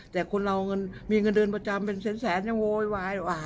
แต่คนเรามีเงินเดือนประจำเป็นแสนยังโวยวาย